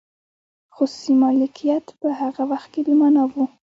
خصوصي مالکیت په هغه وخت کې بې مانا و.